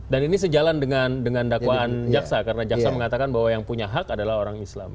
ini sejalan dengan dakwaan jaksa karena jaksa mengatakan bahwa yang punya hak adalah orang islam